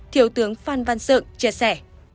thiếu tướng phan văn sượng chia sẻ